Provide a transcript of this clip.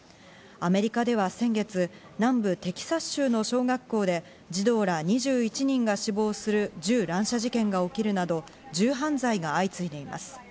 アメリカでは先月、南部テキサス州の小学校で、児童ら２１人が死亡する銃乱射事件が起きるなど、銃犯罪が相次いでいます。